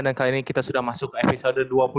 dan kali ini kita sudah masuk episode dua puluh enam